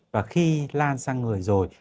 và khi lan sang người rồi